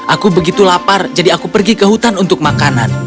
aku begitu lapar jadi aku pergi ke hutan untuk makanan